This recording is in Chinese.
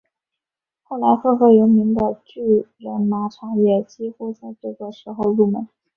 后来赫赫有名的巨人马场也几乎在这个时候入门。